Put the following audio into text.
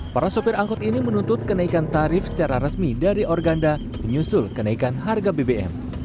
para sopir angkut ini menuntut kenaikan tarif secara resmi dari organda menyusul kenaikan harga bbm